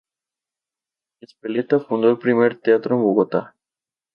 Ezpeleta fundó el primer teatro en Bogotá.